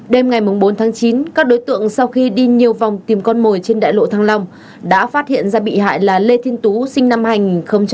đêm ngày bốn tháng chín các đối tượng sau khi đi nhiều vòng tìm con mồi trên đại lộ thăng long đã phát hiện ra bị hại là lê thiên tú sinh năm hành một trăm linh một